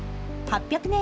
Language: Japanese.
８００年